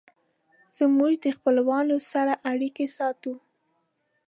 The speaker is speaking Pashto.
موږ د خپلوانو سره اړیکې ساتو.